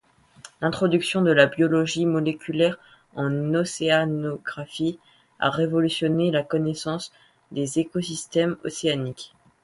L'introduction de la biologie moléculaire en océanographie a révolutionné la connaissance des écosystèmes océaniques.